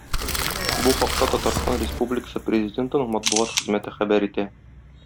Бу хакта Татарстан Республикасы Президентының матбугат хезмәте хәбәр итә.